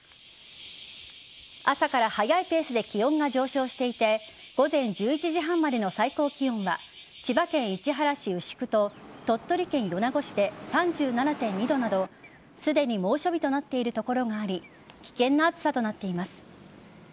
朝から速いペースで気温が上昇していて午前１１時半までの最高気温は千葉県市原市牛久と鳥取県米子市で３７．２度などすでに猛暑日となっている所があり危険な暑さとなっています。